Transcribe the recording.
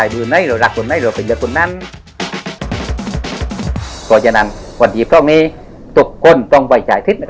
โปรดติดตามตอนต่อไป